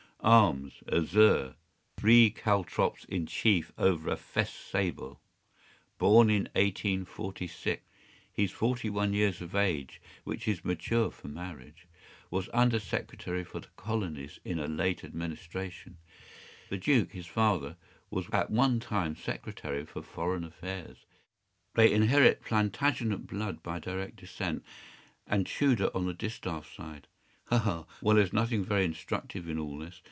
Arms: Azure, three caltrops in chief over a fess sable. Born in 1846. He’s forty one years of age, which is mature for marriage. Was Undersecretary for the Colonies in a late Administration. The Duke, his father, was at one time Secretary for Foreign Affairs. They inherit Plantagenet blood by direct descent, and Tudor on the distaff side. Ha! Well, there is nothing very instructive in all this.